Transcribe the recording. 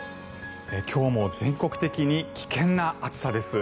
今日も全国的に危険な暑さです。